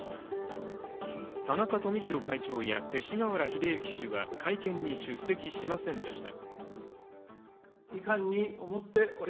田中富広会長や勅使河原秀行氏は会見に出席しませんでした。